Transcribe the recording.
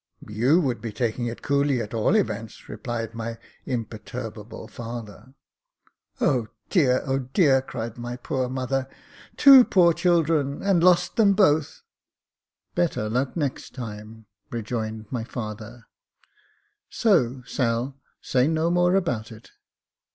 *' You would be taking it coolly, at all events," replied my imperturbable father. " O dear ! O dear !" cried my poor mother j "two poor children, and lost them both !"" Better luck next time," rejoined my father ;" so, Sail, say no more about it."